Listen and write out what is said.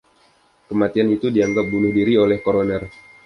Kematian itu dianggap bunuh diri oleh koroner.